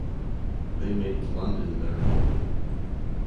They made London their home.